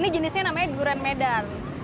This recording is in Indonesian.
jenisnya namanya durian medan